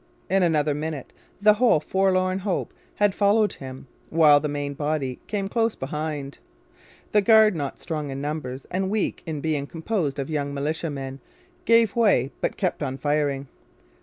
In another minute the whole forlorn hope had followed him, while the main body came close behind. The guard, not strong in numbers and weak in being composed of young militiamen, gave way but kept on firing.